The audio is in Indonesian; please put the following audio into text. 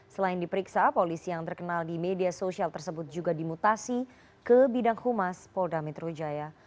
selain diperiksa polisi yang terkenal di media sosial tersebut juga dimutasi ke bidang humas polda metro jaya